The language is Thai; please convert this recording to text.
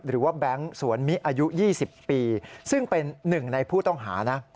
แบงค์สวนมิอายุ๒๐ปีซึ่งเป็นหนึ่งในผู้ต้องหานะ